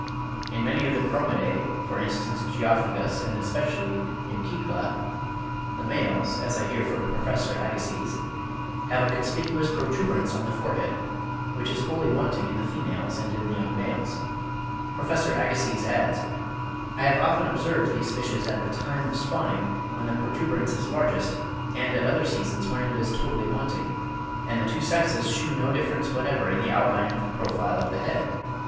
In many of the Chromidae, for instance in Geophagus and especially in Cichla, the males, as I hear from Professor Agassiz (21. See also 'A Journey in Brazil,' by Prof. and Mrs. Agassiz, 1868, p. 220.), have a conspicuous protuberance on the forehead, which is wholly wanting in the females and in the young males. Professor Agassiz adds, "I have often observed these fishes at the time of spawning when the protuberance is largest, and at other seasons when it is totally wanting, and the two sexes shew no difference whatever in the outline of the profile of the head.